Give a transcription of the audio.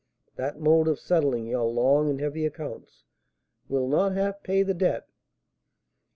That mode of settling your long and heavy accounts will not half pay the debt.